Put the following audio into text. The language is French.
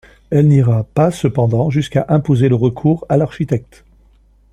Elle n’ira pas cependant jusqu’à imposer le recours à l’architecte.